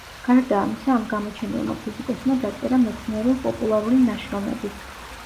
გარდა ამისა ამ გამოჩენილმა ფიზიკოსმა დაწერა მეცნიერულ-პოპულარული ნაშრომებიც.